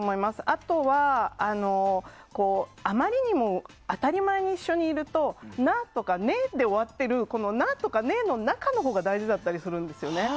あとは、あまりにも当たり前に一緒にいると何とかねで終わっている、何とかねの中のほうが大事だったりするんですよね。